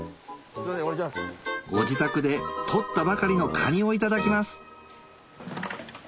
ご自宅で取ったばかりのカニをいただきます